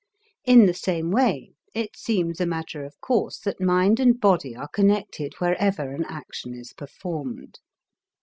In the same way it seems a matter of course that mind and body are connected wherever an action is performed.